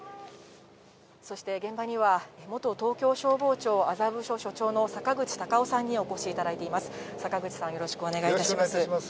そして現場には、元東京消防庁麻布署署長の坂口隆夫さんにお越しいただいています。